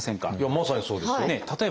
まさにそうですよ。ねえ。